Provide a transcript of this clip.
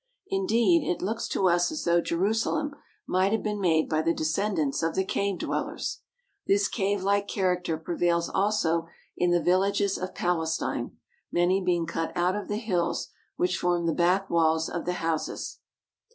Indeed, it looks to us as though Jerusalem might have been made by the descendants of the cave dwellers. This cavelike character prevails also in the vil lages of Palestine, many being cut out of the hills, which form the back walls of the houses.